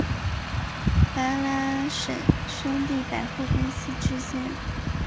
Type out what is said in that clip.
巴拉什兄弟百货公司之间。